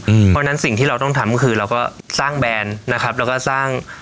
เพราะฉะนั้นสิ่งที่เราต้องทำก็คือเราก็สร้างแบรนด์นะครับแล้วก็สร้าง